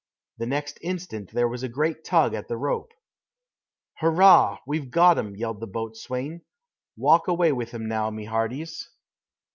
The next instant there was a great tug at the rope. "Hurrah! we've got 'um!" yelled the boatswain. "Walk away with 'im now, my hearties."